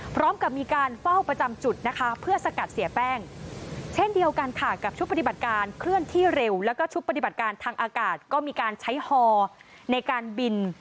พร้อมกับมีการเฝ้าประจำจุดนะคะเพื่อสกัดเสียแป้งเช่นเดียวกันค่ะกับชุดปฏิบัติการเคลื่อนที่เร็วแล้วก็ชุดปฏิบัติการทางอากาศก็มีการใช้ฮอในการบิน